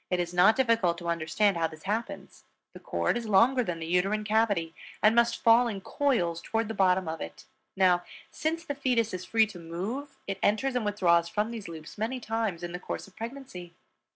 It is not difficult to understand how this happens. The cord is longer than the uterine cavity and must fall in coils toward the bottom of it. Now, since the fetus is free to move it enters and withdraws from these loops, many times, in the course of pregnancy.